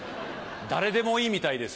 誰でもいいみたいです